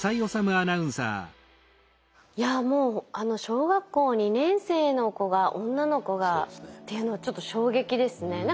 いやもう小学校２年生の子が女の子がっていうのはちょっと衝撃ですね。